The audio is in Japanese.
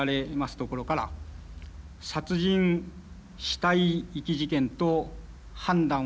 ところから殺人死体遺棄事件と判断をいたしました。